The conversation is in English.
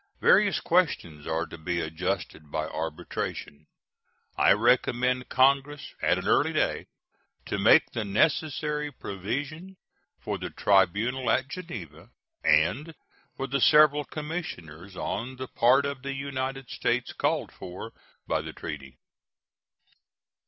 Various questions are to be adjusted by arbitration. I recommend Congress at an early day to make the necessary provision for the tribunal at Geneva and for the several commissioners on the part of the United States called for by the treaty.